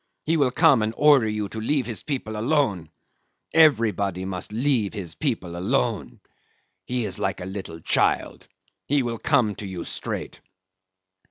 He will come and order you to leave his people alone. Everybody must leave his people alone. He is like a little child. He will come to you straight."